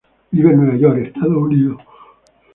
Vive en Nueva York, Estados Unidos.